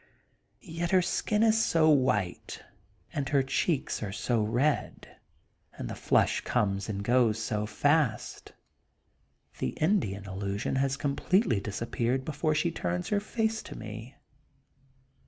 Yet her skin is sd white and her cheeks are so red, and the flush comes and goes so fast, the Indian illusion has Com pletely disappeared when she turns her face to me.